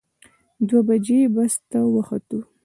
دوه بجې بس ته وختو.